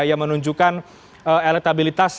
yang menunjukkan elektabilitas